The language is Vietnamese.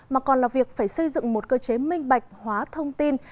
mà còn là việc phải xây dựng một cơ chế minh bạch hóa thông tin